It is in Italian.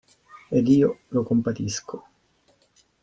Ed io lo compatisco.